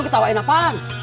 lo ketawain apaan